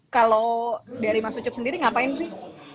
kalau dari mas ucup sendiri ngapain sih